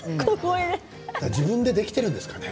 自分でできているんですかね？